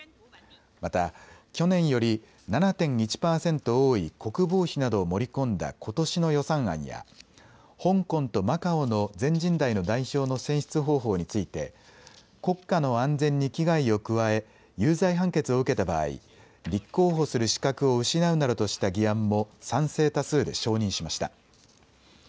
また、去年より７．１％多い国防費などを盛り込んだことしの予算案や香港とマカオの全人代の代表の選出方法について国家の安全に危害を加え有罪判決を受けた場合、立候補する資格を失うなどとした議案も賛成多数で承認しました。